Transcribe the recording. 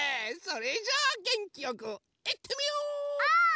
それじゃあげんきよくいってみよう！